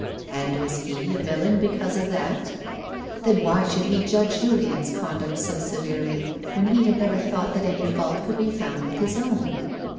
And was he a villain because of that ? Then why should he judge Julien's conduct so severely when he had never thought that any fault could be found with his own.